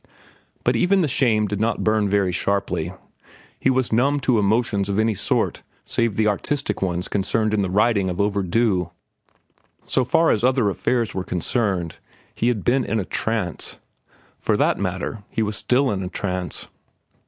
But even the shame did not burn very sharply. He was numb to emotions of any sort save the artistic ones concerned in the writing of "Overdue." So far as other affairs were concerned, he had been in a trance. For that matter, he was still in a trance.